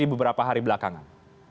di beberapa hari belakangan